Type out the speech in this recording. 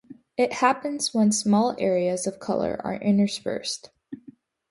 It happens when small areas of color are interspersed.